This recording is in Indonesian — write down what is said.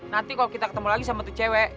nanti kalau kita ketemu lagi sama tuh cewek